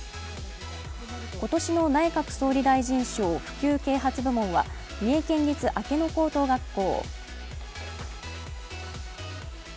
今年の内閣総理大臣賞普及・啓発部門は三重県立明野高等学校。